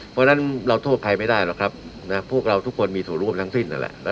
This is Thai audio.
เพราะฉะนั้นเราโทษใครไม่ได้หรอกครับพวกเราทุกคนมีส่วนร่วมทั้งสิ้นนั่นแหละ